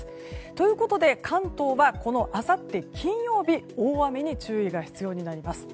ということで関東はあさって金曜日大雨に注意が必要になります。